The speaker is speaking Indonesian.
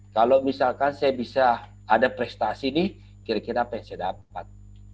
kalau misalkan saya bisa ada prestasi nih kira kira apa yang saya dapat